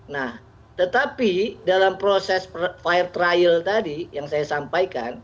nah tetapi dalam proses fire trial tadi yang saya sampaikan